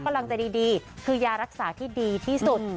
กำลังใจดีคือยารักษาที่ดีที่สุด